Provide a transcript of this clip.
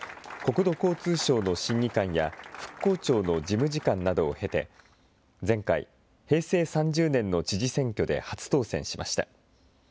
国土交通省の審議官や、復興庁の事務次官などを経て、前回・平成３０年の知事選挙で初当選しました。